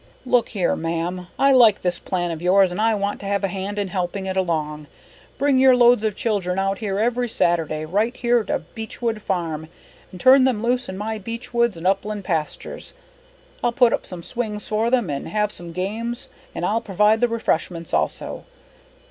"Look here, ma'am, I like this plan of yours and I want to have a hand in helping it along. Bring your loads of children out here every Saturday, right here to Beechwood Farm, and turn them loose in my beech woods and upland pastures. I'll put up some swings for them and have some games, and I'll provide the refreshments also.